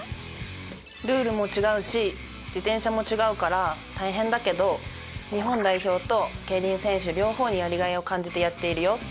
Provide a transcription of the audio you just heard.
ルールも違うし自転車も違うから大変だけど日本代表と競輪選手両方にやりがいを感じてやっているよ